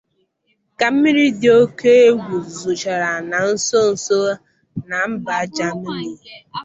ka mmiri dị oke egwu zòchàrà na nsonso a na mba Germany.